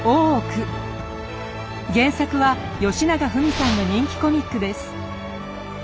原作はよしながふみさんの人気コミックです。